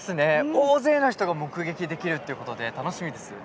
大勢の人が目撃できるっていうことで楽しみです。